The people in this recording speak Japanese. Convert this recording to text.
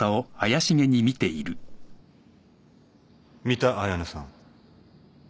・三田綾音さん。